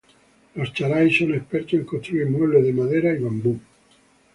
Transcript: Los charai son expertos en construir muebles de madera y bambú.